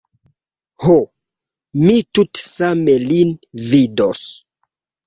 Ho, mi tute same lin vidos.